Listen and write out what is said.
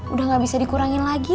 udah gak bisa dikurangin lagi